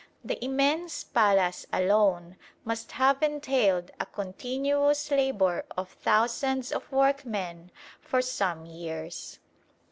The immense palace alone must have entailed a continuous labour of thousands of workmen for some years.